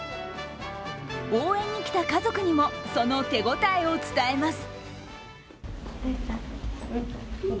応援に来た家族にもその手応えを伝えます。